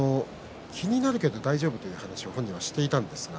気になるけど大丈夫だということを本人は話しています。